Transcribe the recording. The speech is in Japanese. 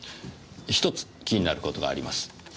１つ気になる事があります。